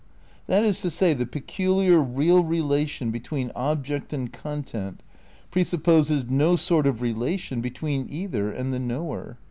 That is to say, the peculiar real relation between ob ject and content presupposes no sort of relation be tween either and the knower.